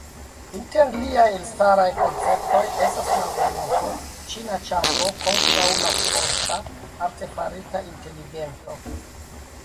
Inter liaj elstaraj konceptoj estas la argumento "Ĉina ĉambro" kontraŭ la "forta" artefarita inteligento.